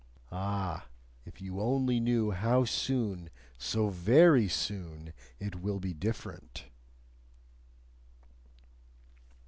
Ah! if you only knew how soon, so very soon it will be different!